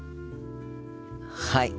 はい。